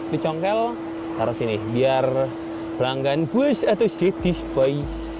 dicongkel taruh sini biar pelanggan push atau setish boy